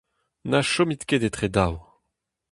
Na chomit ket etre daou !